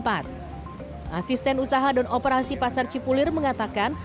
asisten usaha dan operasi pasar cipulir mengatakan